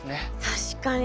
確かに。